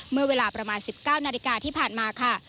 เมื่อเวลาประมาณ๑๙นาฬิกาที่ผ่านมาค่ะ